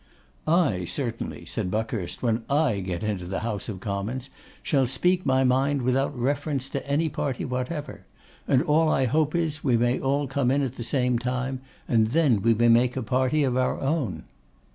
'I certainly,' said Buckhurst, 'when I get into the House of Commons, shall speak my mind without reference to any party whatever; and all I hope is, we may all come in at the same time, and then we may make a party of our own.